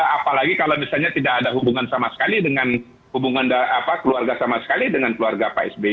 apalagi kalau misalnya tidak ada hubungan sama sekali dengan hubungan keluarga sama sekali dengan keluarga pak sby